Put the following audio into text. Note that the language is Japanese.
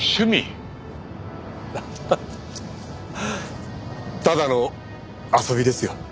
アハハただの遊びですよ。